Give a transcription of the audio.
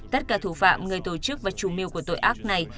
tất cả thủ phạm người tổ chức và chủ mưu của tội ác này